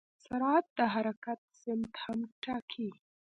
سرعت د حرکت سمت هم ټاکي.